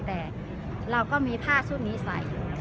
แต่เราก็มีผ้าชุดนี้ใส่